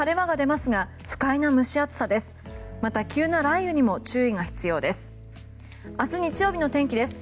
また、急な雷雨にも注意が必要です。